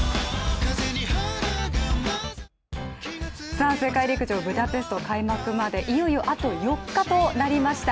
さあ世界陸上ブダペスト開幕までいよいよあと４日となりました。